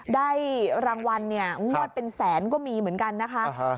ได้รางวัลเนี่ยงวดเป็นแสนก็มีเหมือนกันนะคะ